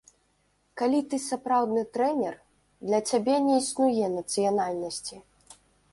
Калі ты сапраўдны трэнер, для цябе не існуе нацыянальнасці.